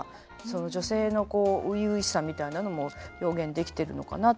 女性のこう初々しさみたいなのも表現できてるのかなと思います。